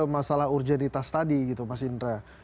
masalah urgenitas tadi gitu mas indra